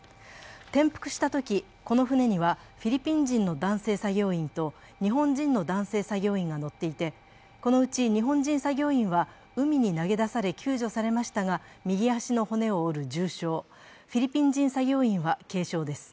転覆したとき、この船にはフィリピン人の男性作業員と、日本人の男性作業員が乗っていて、このうち日本人作業員は海に投げ出され、救助されましたが、右足の骨を折る重傷、フィリピン人作業員は軽傷です。